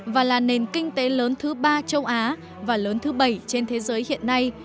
và là nền kinh tế lớn thứ ba châu á và lớn thứ bảy trên thế giới hiện nay